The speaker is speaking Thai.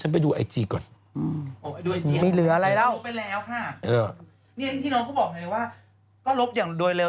อันนี้พี่โน้นเขาบอกมาว่าก็ลบอย่างโดยเร็ว